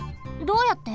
どうやって？